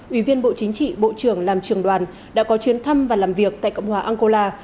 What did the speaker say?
ủy viên bộ chính trị bộ trưởng làm trường đoàn đã có chuyến thăm và làm việc tại cộng hòa angola